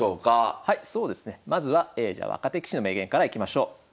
そうですねまずは若手棋士の名言からいきましょう。